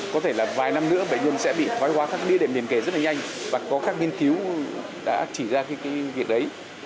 có thể là vài năm nữa bệnh nhân sẽ bị thoái hóa các đi đệm điền kể rất là nhanh và có các nghiên cứu đã chỉ ra cái việc đấy